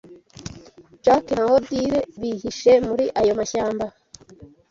Jack na Odile bihishe muri ayo mashyamba.